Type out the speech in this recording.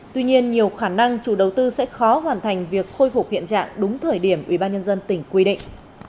tuy nhiên nhiều khả năng chủ đầu tư sẽ khó hoàn thành việc khôi phục hiện trạng đúng thời điểm ubnd tỉnh quy định